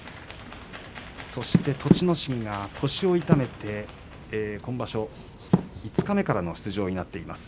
そして栃ノ心は腰を痛めて今場所、五日目からの出場となっています。